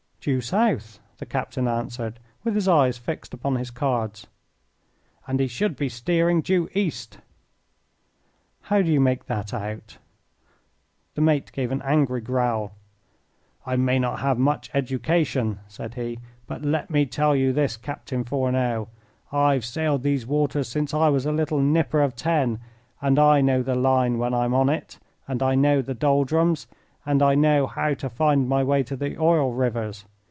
"Due south," the captain answered, with his eyes fixed upon his cards. "And he should be steering due east." "How do you make that out?" The mate gave an angry growl. "I may not have much education," said he, "but let me tell you this, Captain Fourneau, I've sailed these waters since I was a little nipper of ten, and I know the line when I'm on it, and I know the doldrums, and I know how to find my way to the oil rivers.